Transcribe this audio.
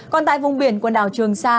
còn tại vùng biển quần đảo trường sa